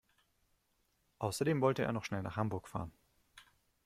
Außerdem wollte er noch schnell nach Hamburg fahren